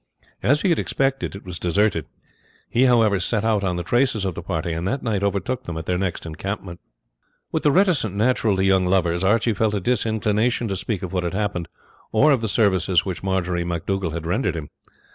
As he had expected, it was deserted; he, however, set out on the traces of the party, and that night overtook them at their next encampment. With the reticence natural to young lovers Archie felt a disinclination to speak of what had happened, or of the services which Marjory MacDougall had rendered him.